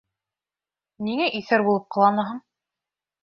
Ниңә иҫәр булып ҡыланаһың?